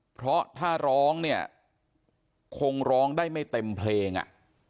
เพราะถ้าร้องเนี่ยคงร้องได้ไม่เต็มเพลงอ่ะ